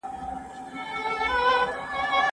صحي خدمتونه د کارمندانو وړتیا لوړوي.